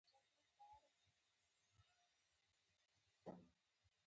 هغوی د پیشو د خوړلو لپاره یو بل سره وهل